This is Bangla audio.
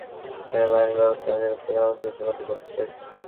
সেনাবাহিনীকে বাস্তবায়নের জন্য প্রধানমন্ত্রী ইতিমধ্যে বলে দিয়েছেন।